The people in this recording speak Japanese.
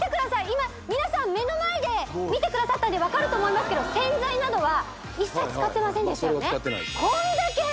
今皆さん目の前で見てくださったんで分かると思いますけど洗剤などは一切使ってませんでしたよねこんだけ！